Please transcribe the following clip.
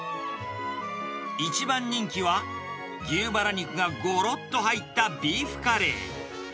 一番人気は、牛バラ肉がごろっと入ったビーフカレー。